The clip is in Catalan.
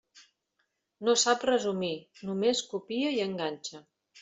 No sap resumir, només copia i enganxa.